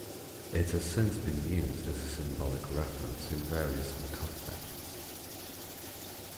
It has since been used as a symbolic reference in various other contexts.